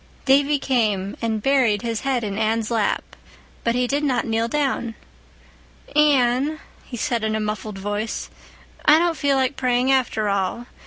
Davy came and buried his head in Anne's lap, but he did not kneel down. "Anne," he said in a muffled voice. "I don't feel like praying after all.